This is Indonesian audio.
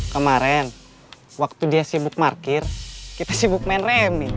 kemaren waktu dia sibuk parkir kita sibuk main remi